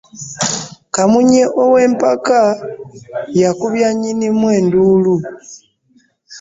Kamunye ow'empaka yakubya nyinnimu enduulu .